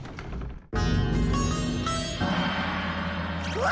うわ！